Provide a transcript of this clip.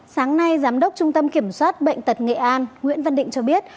sáng nay giám đốc trung tâm kiểm soát bệnh tật nghệ an nguyễn văn định cho biết